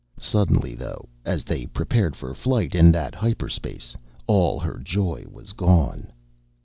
Suddenly, though, as they prepared for flight in that hyperspace all her joy was gone.